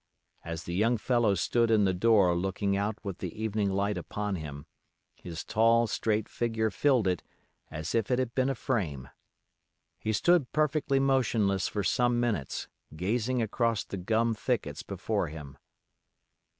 As the young fellow stood in the door looking out with the evening light upon him, his tall, straight figure filled it as if it had been a frame. He stood perfectly motionless for some minutes, gazing across the gum thickets before him.